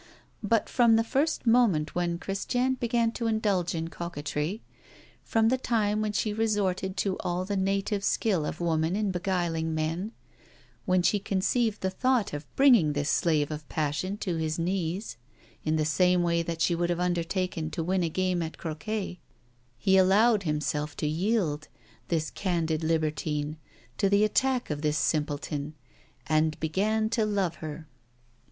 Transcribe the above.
But, from the first moment when Christiane began to indulge in coquetry, from the time when she resorted to all the native skill of woman in beguiling men, when she conceived the thought of bringing this slave of passion to his knees, in the same way that she would have undertaken to win a game at croquet, he allowed himself to yield, this candid libertine, to the attack of this simpleton, and began to love her.